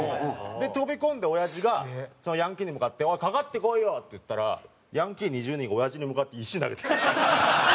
で飛び込んでおやじがそのヤンキーに向かって「かかってこいよ」って言ったらヤンキー２０人がおやじに向かって石投げて。